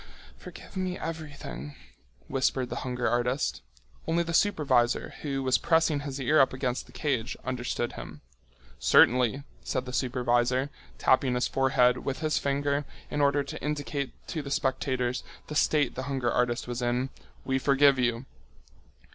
"Forgive me everything," whispered the hunger artist. Only the supervisor, who was pressing his ear up against the cage, understood him. "Certainly," said the supervisor, tapping his forehead with his finger in order to indicate to the spectators the state the hunger artist was in, "we forgive you."